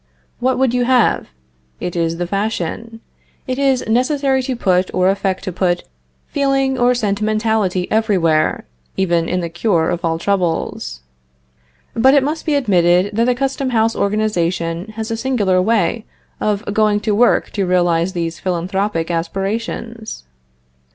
What would you have? It is the fashion. It is necessary to put or affect to put feeling or sentimentality everywhere, even in the cure of all troubles. But it must be admitted that the Custom House organization has a singular way of going to work to realize these philanthropic aspirations.